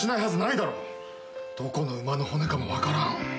どこの馬の骨かも分からん。